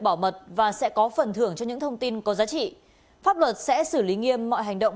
bảo mật và sẽ có phần thưởng cho những thông tin có giá trị pháp luật sẽ xử lý nghiêm mọi hành động